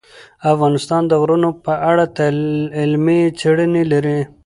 افغانستان د غرونه په اړه علمي څېړنې لري.